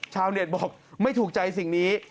ชาวเน็ตบอกไม่ถูกใจสิ่งนี้